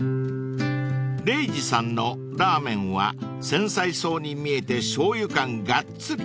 ［ＲＡＧＥさんのラーメンは繊細そうに見えてしょうゆ感がっつり］